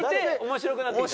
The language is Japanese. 面白いなって。